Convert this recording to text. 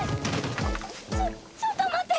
ちょちょっと待って！